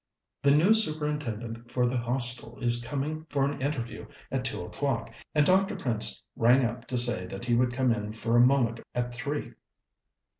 "The new Superintendent for the Hostel is coming for an interview at two o'clock, and Dr. Prince rang up to say that he would come in for a moment at three."